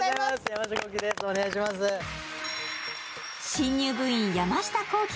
新入部員、山下幸輝